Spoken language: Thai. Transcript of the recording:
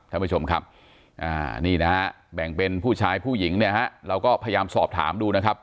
ท่านผู้ชมครับนี่นะฮะแบ่งเป็นผู้ชายผู้หญิงเนี่ยฮะเราก็พยายามสอบถามดูนะครับ